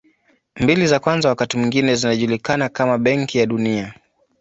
Mbili za kwanza wakati mwingine zinajulikana kama Benki ya Dunia.